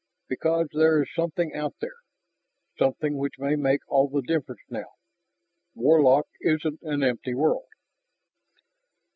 "Because there is something out there, something which may make all the difference now. Warlock isn't an empty world."